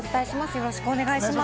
よろしくお願いします。